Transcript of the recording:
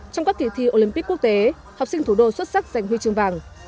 trong các kỳ thi olympic quốc tế học sinh thủ đô xuất sắc giành huy chương vàng